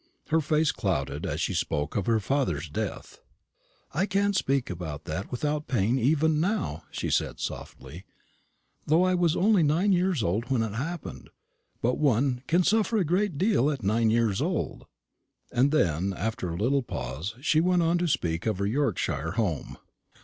Her face clouded as she spoke of her father's death. "I can't speak about that without pain even now," she said softly, "though I was only nine years old when it happened. But one can suffer a great deal at nine years old." And then, after a little pause, she went on to speak of her Yorkshire home.